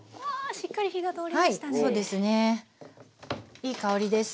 いい香りです。